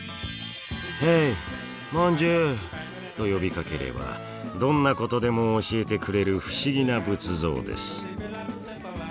「ヘイ！モンジュ！」と呼びかければどんなことでも教えてくれる不思議な仏像です。